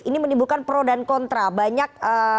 ini menimbulkan pro dan kontra banyak